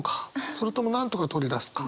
それともなんとか取り出すか。